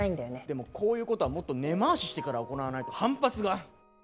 でもこういうことはもっと根回ししてから行わないと反発が。